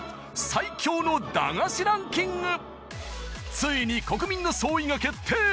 ついに国民の総意が決定